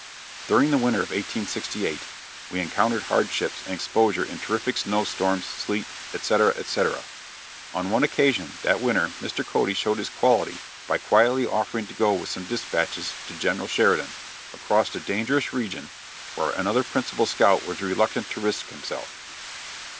"During the winter of 1868, we encountered hardships and exposure in terrific snow storms, sleet, etc., etc. On one occasion, that winter, Mr. Cody showed his quality by quietly offering to go with some dispatches to General Sheridan, across a dangerous region, where another principal scout was reluctant to risk himself.